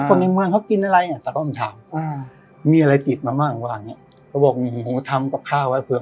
ของกินอ๋อของของกินอ๋อ